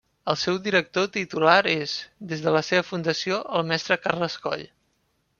El seu director titular és, des de la seva fundació, el Mestre Carles Coll.